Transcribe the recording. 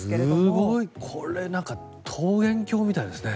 すごい！これ、桃源郷みたいですね。